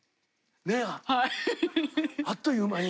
ねあっという間に。